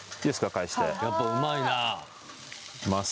返してやっぱうまいないきます